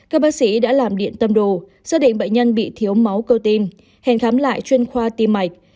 các bác sĩ đã làm điện tâm đồ xác định bệnh nhân bị thiếu máu cơ tim khám lại chuyên khoa tim mạch